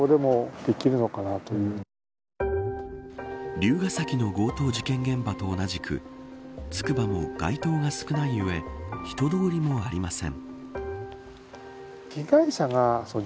龍ケ崎の強盗事件現場と同じくつくばも街灯が少ない上人通りもありません。